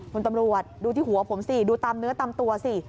คุณตำรวจดูที่หัวผมสิดูตามเนื้อตามตัวสิ